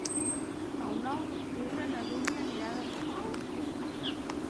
El nou d'octubre na Dúnia anirà d'excursió.